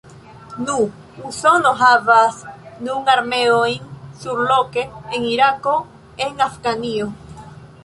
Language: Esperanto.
Nu, Usono havas nun armeojn surloke, en Irako, en Afganio.